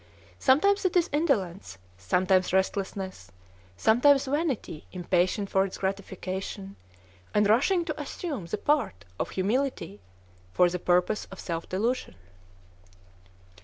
Sometimes it is indolence, sometimes restlessness, sometimes vanity impatient for its gratification, and rushing to assume the part of humility for the purpose of self delusion."